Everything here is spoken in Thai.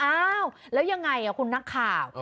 อ้าวแล้วยังไงคุณนักข่าว